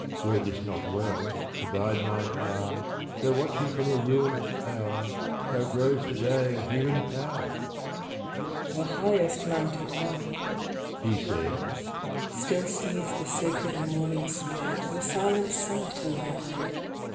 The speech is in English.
"Were this not well, to bide mine hour, Tho' watching from a ruin'd tower How grows the day of human power?" "The highest mounted mind," he said, "Still sees the sacred morning spread The silent summit overhead.